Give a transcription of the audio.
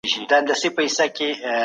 ستاسو په عمل کي به د نورو لپاره ګټه وي.